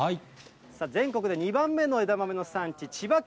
全国で２番目の枝豆の産地、千葉県。